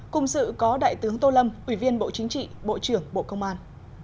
cùng dự có đại tướng tô lâm ủy viên bộ chính trị bộ trưởng bộ công an